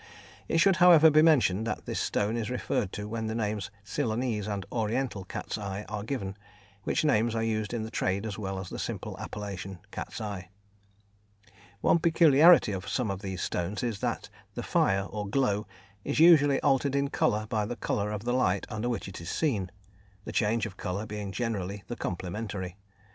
It should, however, be mentioned that this stone is referred to when the names Ceylonese and Oriental cat's eye are given, which names are used in the trade as well as the simple appellation, "cat's eye." One peculiarity of some of these stones is that the "fire" or "glow" is usually altered in colour by the colour of the light under which it is seen, the change of colour being generally the complementary.